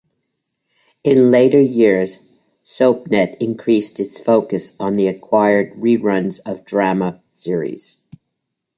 In later years, Soapnet increased its focus on acquired reruns of drama series.